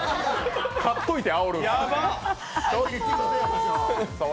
勝っといてあおる。